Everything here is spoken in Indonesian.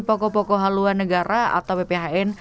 poko poko haluan negara atau bphn